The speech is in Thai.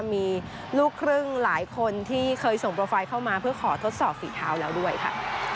มีลูกครึ่งหลายคนที่เคยส่งโปรไฟล์เข้ามาเพื่อขอทดสอบฝีเท้าแล้วด้วยค่ะ